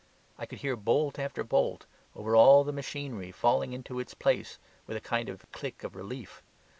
I could hear bolt after bolt over all the machinery falling into its place with a kind of click of relief.